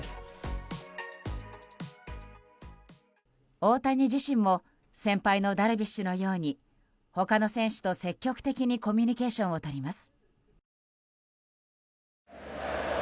大谷自身も、先輩のダルビッシュのように他の選手と積極的にコミュニケーションを取ります。